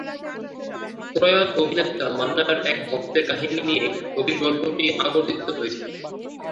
প্রয়াত অভিনেতা মান্নার এক ভক্তের কাহিনি নিয়েই ছবির গল্পটি আবর্তিত হয়েছে।